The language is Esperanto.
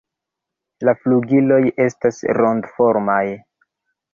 La flugiloj estas rondoformaj.